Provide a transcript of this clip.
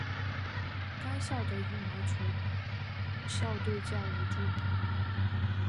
该校的羽毛球校队较为著名。